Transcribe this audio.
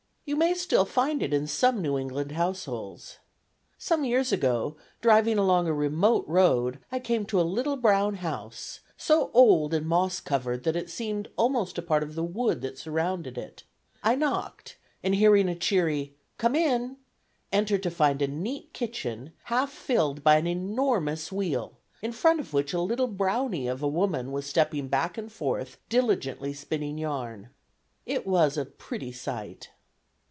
You may still find it in some New England households. Some years ago, driving along a remote road, I came to a little brown house, so old and moss covered that it seemed almost a part of the wood that surrounded it. I knocked, and hearing a cheery "Come in!" entered to find a neat kitchen, half filled by an enormous wheel, in front of which a little brownie of a woman was stepping back and forth, diligently spinning yarn. It was a pretty sight.